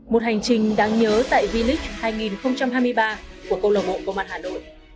một hành trình đáng nhớ tại v league hai nghìn hai mươi ba của câu lạc bộ công an hà nội